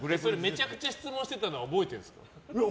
めちゃくちゃ質問してたのは覚えてるんですか？